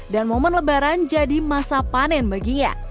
dan momen lebaran jadi masa panen baginya